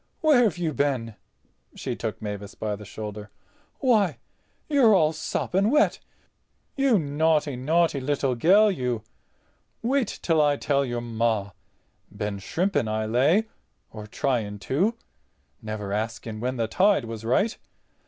Where've you been?" She took Mavis by the shoulder. "Why, you're all sopping wet. You naughty, naughty little gell, you. Wait till I tell your Ma—been shrimping I lay—or trying to—never asking when the tide was right.